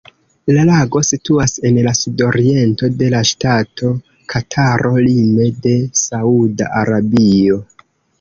La lago situas en la sudoriento de la ŝtato Kataro lime de Sauda Arabio.